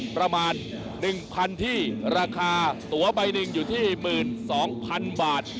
ประมาณ๑๐๐๐ที่ราคาตัวใบหนึ่งอยู่ที่๑๒๐๐๐บาท